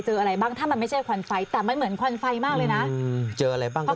เจออะไรบ้างถ้ามันไม่ใช่ควันไฟแต่มันเหมือนควันไฟมากเลยนะ